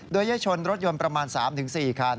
โดยได้ชนรถยนต์ประมาณ๓๔คัน